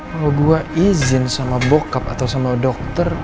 kalau gue izin sama bokap atau sama dokter